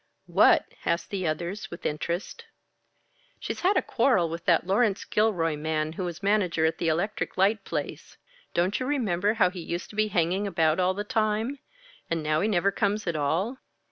"What?" asked the others, with interest. "She's had a quarrel with that Laurence Gilroy man who is manager at the electric light place. Don't you remember how he used to be hanging about all the time? And now he never comes at all?